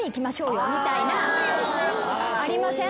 ありません？